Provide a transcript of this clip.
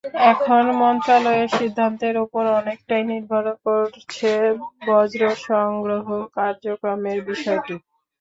এখন মন্ত্রণালয়ের সিদ্ধান্তের ওপর অনেকটাই নির্ভর করছে বর্জ্য সংগ্রহ কার্যক্রমের বিষয়টি।